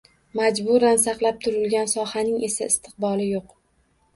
Majburan saqlab turilgan sohaning esa istiqboli yo‘q.